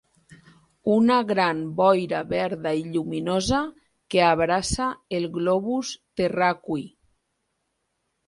Una gran boira verda i lluminosa que abraça el globus terraqüi.